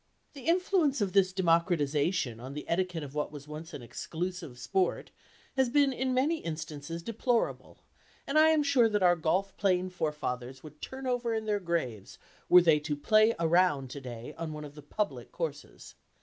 The influence of this "democratization" on the etiquette of what was once an exclusive sport has been, in many instances, deplorable, and I am sure that our golf playing forefathers would turn over in their graves were they to "play around" today on one of the "public" courses.